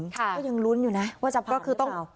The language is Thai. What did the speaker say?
ก็ยังรุ้นอยู่นะว่าจะผ่านหรือเปล่า